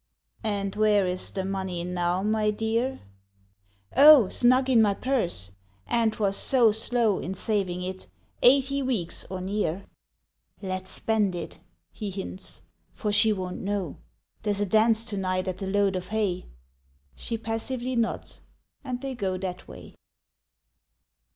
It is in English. "And where is the money now, my dear?" "O, snug in my purse ... Aunt was so slow In saving it—eighty weeks, or near." ... "Let's spend it," he hints. "For she won't know. There's a dance to night at the Load of Hay." She passively nods. And they go that way.